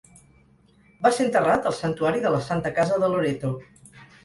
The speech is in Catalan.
Va ser enterrat al Santuari de la Santa Casa de Loreto.